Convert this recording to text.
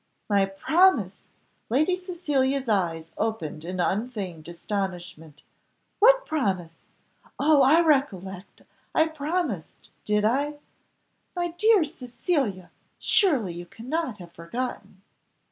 "My promise!" Lady Cecilia's eyes opened in unfeigned astonishment. "What promise? Oh, I recollect, I promised did I?" "My dear Cecilia, surely you cannot have forgotten."